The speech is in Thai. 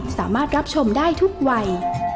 สามารถรับชมได้ทุกวัย